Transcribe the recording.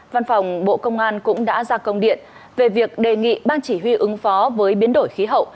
văn phòng bộ công an cũng đã ra công điện về việc đề nghị ban chỉ huy ứng phó với biến đổi khí hậu